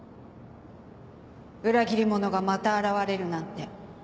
裏切り者がまた現れるなんて。